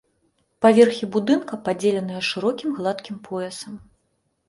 Паверхі будынка падзеленыя шырокім гладкім поясам.